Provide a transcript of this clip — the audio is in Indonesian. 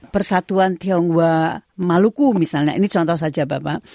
persatuan tionghoa maluku misalnya ini contoh saja bapak